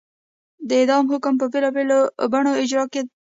د اعدام حکم به په بېلابېلو بڼو اجرا کېده.